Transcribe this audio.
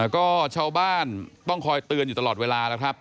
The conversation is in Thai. ก็ชาวบ้านต้องคอยเตือนอยู่ตลอดเวลาแล้วครับ